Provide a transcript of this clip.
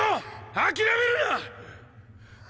諦めるな‼